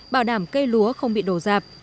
bảo đảm cây lúa không bị đổ dạp